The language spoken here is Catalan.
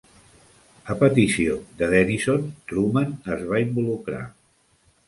A petició de Dennison, Truman es va involucrar.